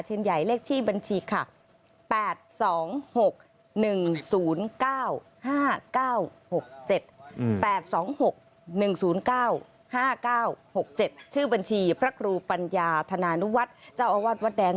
ชื่อบัญชีพระครูปัญญาธนาณุวัฒน์เจ้าอวัดวัดแดง